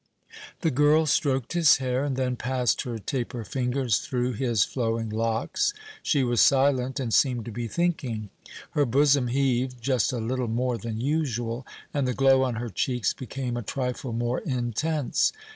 The girl stroked his hair and then passed her taper fingers through his flowing locks. She was silent and seemed to be thinking. Her bosom heaved just a little more than usual, and the glow on her cheeks became a trifle more intense.